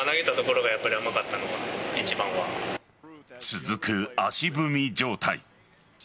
続く足踏み状態。